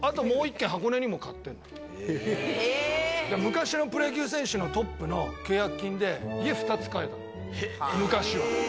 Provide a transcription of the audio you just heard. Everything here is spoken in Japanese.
昔のプロ野球選手のトップの契約金で家２つ買えたの昔は。